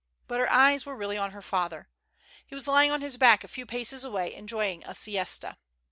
But her eyes were really on her father. He was lying on his back a few paces away, enjoying a siesta.